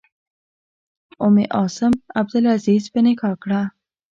ام عاصم عبدالعزیز په نکاح کړه.